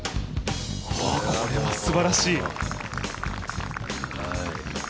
これはすばらしい。